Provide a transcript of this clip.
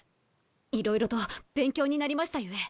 いろいろと勉強になりましたゆえ。